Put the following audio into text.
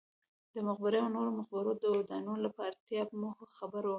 د مقبرې او نورو مقبرو د ودانولو پر اړتیا مو خبرې وکړې.